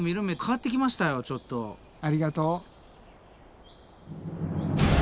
ありがとう。